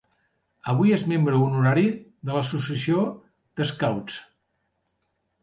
Avui és membre honorari de l'Associació d'Scouts.